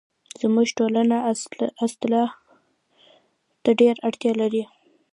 زموږ ټولنه اصلاح ته ډيره اړتیا لري